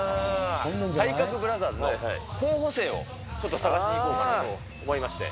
体格ブラザーズの候補生をちょっと探しにいこうかと思いまして。